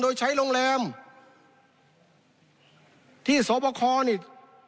โดยใช้โรงแรมที่สวบคนี่